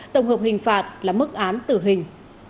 tổng hợp hình phạt là mức án tử hình